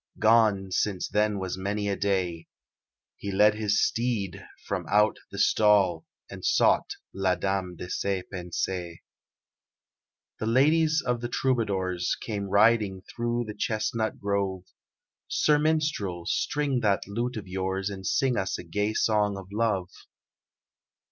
gone since then was many a day He led his steed from out the stall And sought la dame de ses pensées. The ladies of the Troubadours Came riding through the chestnut grove "Sir Minstrel, string that lute of yours And sing us a gay song of love."